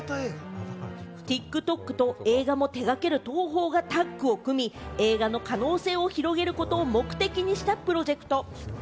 ＴｉｋＴｏｋと映画も手がける東宝がタッグを組み、映画の可能性を広げることを目的にしたプロジェクト。